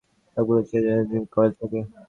সবগুলো যেন স্টেজের দিকে মুখ করা থাকে।